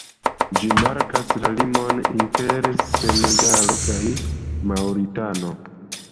Ĝi markas la limon inter Senegalo kaj Maŭritanio.